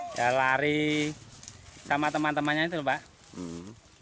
kita lari sama teman temannya itu pak